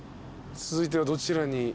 続いてはどちらに？